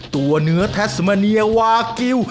ตัวเนื้อแทสมาเนียวากิล